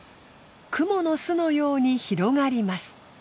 くもの巣のように広がります。